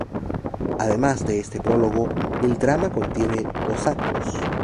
Además de este prólogo, el drama contiene dos actos.